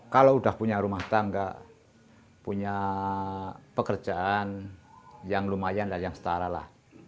kalau udah punya rumah tangga punya pekerjaan yang lumayan dan yang setara lah